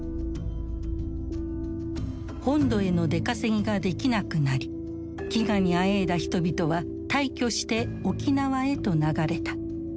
本土への出稼ぎができなくなり飢餓にあえいだ人々は大挙して沖縄へと流れた。